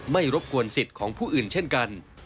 รบกวนสิทธิ์ของผู้อื่นเช่นกัน